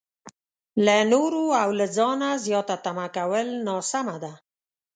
له نورو او له ځانه زياته تمه کول ناسمه ده.